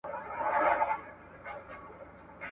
هر څوک د خپلي لمني اور وژني.